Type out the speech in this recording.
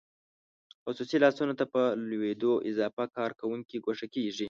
خصوصي لاسونو ته په لوېدو اضافه کارکوونکي ګوښه کیږي.